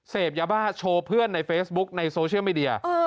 เสพยาบ้าโชว์เพื่อนในเฟซบุ๊กในโซเชียลมีเดีย